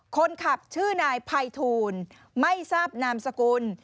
คนขับชื่อนายภัยทูลไม่ทราบนามสกุล